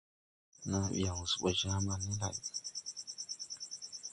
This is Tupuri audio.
Naa bi yaŋ wɔ se bɔ Jaaman ni lay.